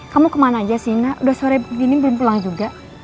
kamu kemana aja sina udah sore begini belum pulang juga